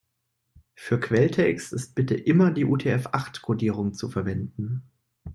Für Quelltext ist bitte immer die UTF-acht-Kodierung zu verwenden.